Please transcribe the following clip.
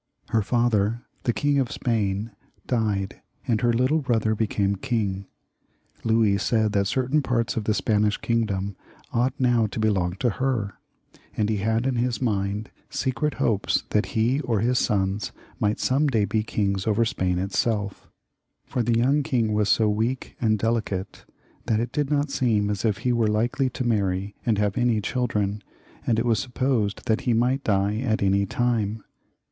Her father the King of Spain died, and her little brother became king. Louis said that certain parts of the Spanish kingdom ought now to belong to her, and he had m his mind secret hopes that he or his sons might some day be kings over Spain itself, for the young king was so weak and delicate that it did not seem as if he were likely to marry and have any cMldren, and it was supposed that he might die at any time.